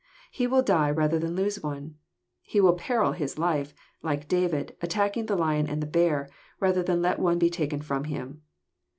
He will die rather than lose one. He will peril his life, like David, attacking the lion and the bear, rather than let one be taken from him.